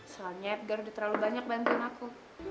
soalnya biar udah terlalu banyak bantuin aku